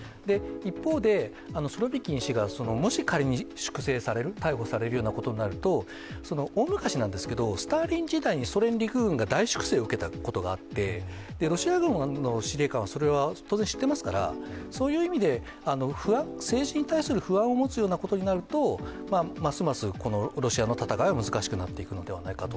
一方で、スロビキン氏がもし仮に粛清される逮捕されるということになりますと大昔なんですが、スターリン時代にソ連陸軍が大粛正を受けたことがあってロシア軍の司令官は当然知ってますからそういう意味で、政治に対する不安を持つようなことになるとますますロシアの戦いは難しくなっていくのではないかと。